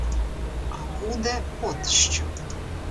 А буде от що.